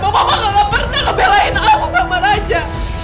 mama gak pernah ngebelain aku sama raja